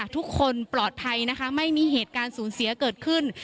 ทุกคนปลอดภัยนะคะไม่มีเหตุการณ์สูญเสียเกิดขึ้น